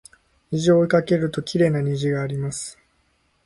虹を追いかけるときれいな虹があります